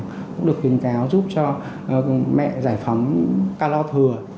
các mẹ bầu cũng được khuyên cáo giúp cho mẹ giải phóng ca lo thừa